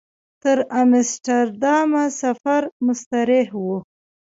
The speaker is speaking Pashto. تر امسټرډامه سفر مستریح و.